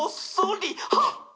「はっ！